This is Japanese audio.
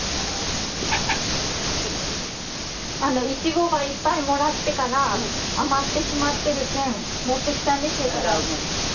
いちごば、いっぱいもらったから、余ってしまってるけん、持ってきたんですよ。